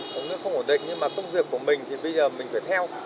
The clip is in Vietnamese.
không biết không ổn định nhưng mà công việc của mình thì bây giờ mình phải theo